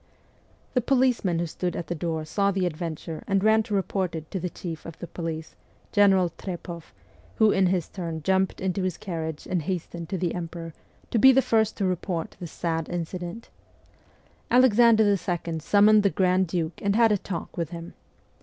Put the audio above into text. The policeman who stood at the door saw the adventure and ran to report it to the chief of the police, General Trepoff, who, in his turn, jumped into his carriage and hastened to the THE CORPS OF PAGES 169 emperor, to be the first to report the 'sad incident.' Alexander II. summoned the grand duke and had a talk with him.